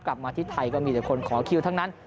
กลับมาที่ไทยก็มีแต่คนขอคิวทั้งนั้น